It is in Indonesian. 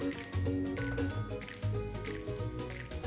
bagaimana menurut anda bisnis ini bisa diberikan ke beberapa wilayah